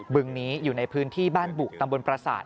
บึงนี้อยู่ในพื้นที่บ้านบุตำบลประสาท